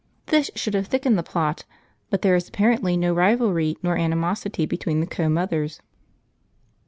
This should have thickened the plot, but there is apparently no rivalry nor animosity between the co mothers.